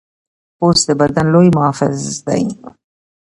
پوست د بدن لوی محافظ دی.